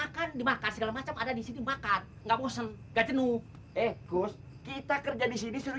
makan dimakan segala macam ada di sini makan enggak bosen gak jenuh kita kerja di sini suruh